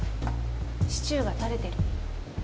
シチューが垂れてる。